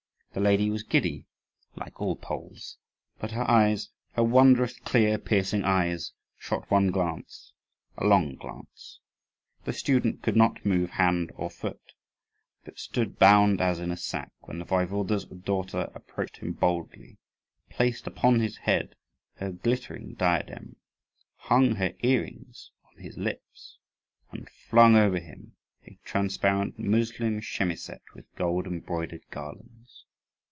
The lady was giddy, like all Poles; but her eyes her wondrous clear, piercing eyes shot one glance, a long glance. The student could not move hand or foot, but stood bound as in a sack, when the Waiwode's daughter approached him boldly, placed upon his head her glittering diadem, hung her earrings on his lips, and flung over him a transparent muslin chemisette with gold embroidered garlands.